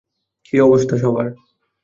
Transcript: কী অবস্থা সবার?